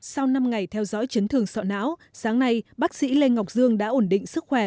sau năm ngày theo dõi chấn thương sọ não sáng nay bác sĩ lê ngọc dương đã ổn định sức khỏe